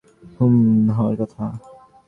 হুম, হওয়ার কথা।